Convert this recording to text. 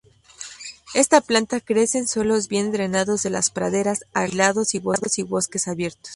Esta planta crece en suelos bien drenados de las praderas, acantilados y bosques abiertos.